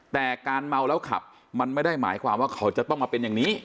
แต่การเมาแล้วขับมันไม่ได้หมายความว่าเขาจะต้องมาเป็นอย่างนี้